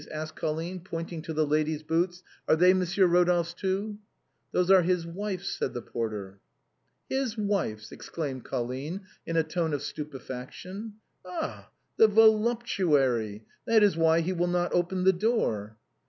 asked Colline, pointing to the lady's boots ;" are they Monsieur Eodolphe's too ?"" Those are his wife's/' said the porter. " His wife's !" exclaimed Colline in a tone of stupe faction. " Ah ! the voluptuary, that is why he will not open the door."